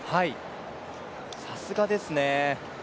さすがですね。